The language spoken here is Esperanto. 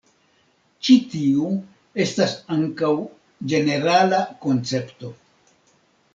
Ĉi tiu estas ankaŭ ĝenerala koncepto.